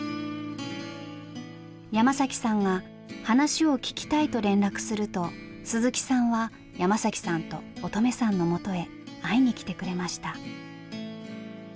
山さんが話を聞きたいと連絡すると鈴木さんは山さんと音十愛さんの元へ会いに来てくれました。